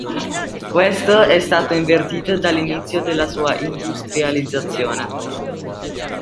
Questo è stato invertito dall'inizio della sua industrializzazione.